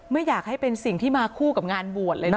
ไม่อยากให้เป็นสิ่งที่มาคู่กับงานบวชเลยนะ